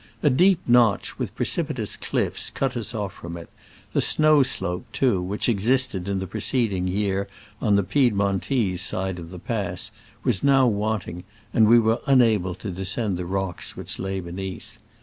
A deep notch with precipitous cliffs cut us off" from it : the snow slope, too, which existed in the preceding year on the Piedmontese side of the pass, was now wanting, and we were unable to descend the rocks which lay beneath.